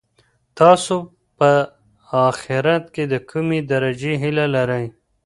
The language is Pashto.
تاسي په اخیرت کي د کومې درجې هیله لرئ؟